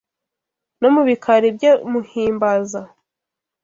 No mu bikari bye muhimbaza